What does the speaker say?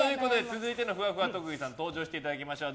続いてのふわふわ特技さん登場してもらいましょう。